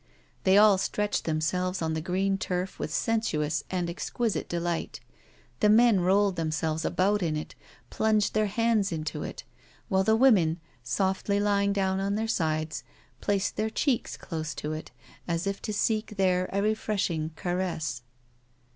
They all stretched themselves on the green turf with sensuous and exquisite delight. The men rolled themselves about in it, plunged their hands into it; while the women, softly lying down on their sides, placed their cheeks close to it, as if to seek there a refreshing caress.